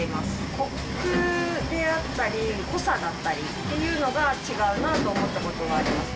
こくであったり濃さだったりというのが違うなと思ったことはあります。